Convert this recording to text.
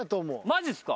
マジっすか？